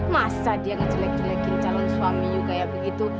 masa dia ngejelek jelekin calon suami yuk kayak begitu